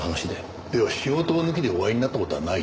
では仕事を抜きでお会いになった事はないと？